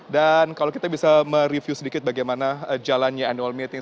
dan kalau kita bisa mereview sedikit bagaimana jalannya annual meeting